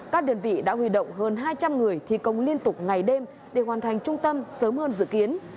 các đơn vị đã huy động hơn hai trăm linh người thi công liên tục ngày đêm để hoàn thành trung tâm sớm hơn dự kiến